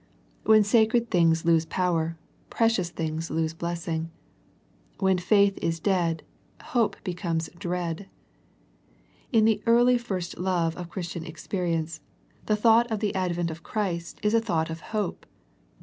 When sacred things lose power, precious things lose blessing. When faith is dead, hope be comes dread. In the early first love of Chris tian experience, the thought of the advent of Christ IS a thought of hope.